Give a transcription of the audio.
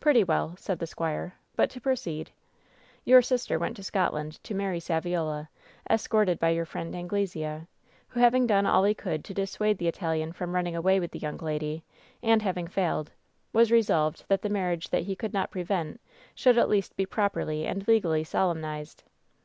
"Pretty well," said the squire ; "but to proceed. Your sister went to Scotland to marry Saviola, escorted by your friend Anglesea, who, having done all he could to dissuade the Italian from running away with the young lady, and having failed, was resolved that the marriage that he could not prevent should at least be properly and l^ally solemnized."